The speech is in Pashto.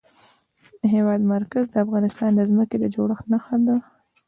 د هېواد مرکز د افغانستان د ځمکې د جوړښت نښه ده.